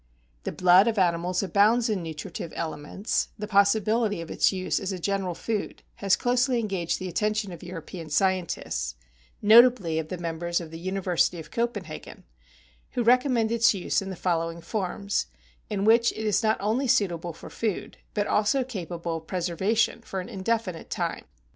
The blood of animals abounds in nutritive elements; the possibility of its use as a general food has closely engaged the attention of European scientists; notably of the members of the University of Copenhagen, who recommend its use in the following forms, in which it is not only suitable for food, but also capable of preservation for an indefinite time.